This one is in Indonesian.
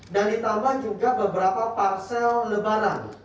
dan ditambah juga beberapa parcel lebaran